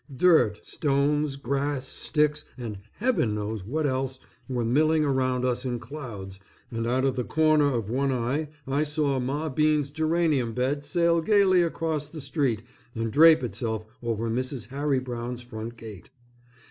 Dirt, stones, grass, sticks, and heaven knows what else were milling around us in clouds, and out of the corner of one eye I saw Ma Bean's geranium bed sail gaily across the street and drape itself over Mrs. Harry Brown's front gate.